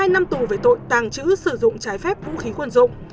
hai năm tù về tội tàng trữ sử dụng trái phép vũ khí quân dụng